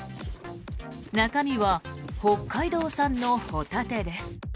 中身は北海道産のホタテです。